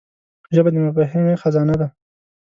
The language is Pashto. ژبه د مفاهمې خزانه ده